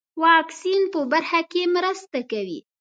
واکسین په برخه کې مرسته کوي.